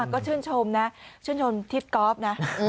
ก็ชื่นชมนะชื่นชมทิศกอล์ฟนะ